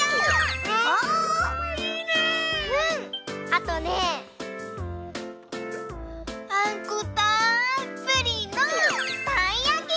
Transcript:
あとねあんこたっぷりのたいやき！